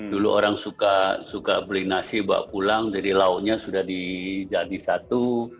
dulu orang suka beli nasi bawa pulang jadi lauknya sudah dijadi satu